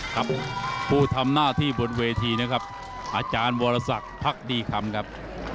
ครับผู้ทำหน้าที่บนเวทีนะครับอาจารย์วรสักพักดีคำครับ